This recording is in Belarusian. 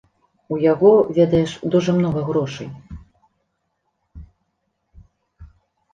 У яго, ведаеш, дужа многа грошай.